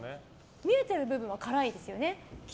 見えている部分は辛いですよね。